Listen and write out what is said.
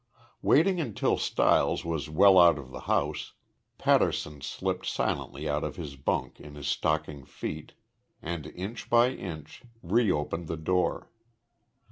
Waiting until Stiles was well out of the house, Patterson slipped silently out of his bunk in his stocking feet and, inch by inch, reopened the door.